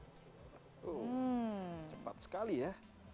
cepat sekali ya